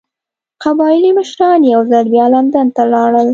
قبایلي مشران یو ځل بیا لندن ته لاړل.